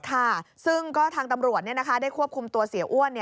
ค่ะซึ่งก็ทางตำรวจได้ควบคุมตัวเสียอ้วน